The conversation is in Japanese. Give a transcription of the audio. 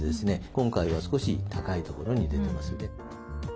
今回は少し高いところに出てますね。